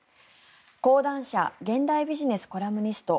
講談社現代ビジネスコラムニスト